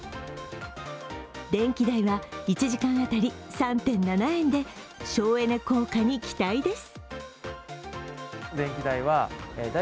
電気代は１時間当たり３．７円で、省エネ効果に期待です。